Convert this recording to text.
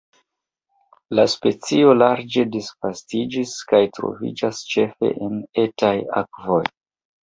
La specio larĝe disvastiĝis kaj troviĝas ĉefe en etaj akvoj.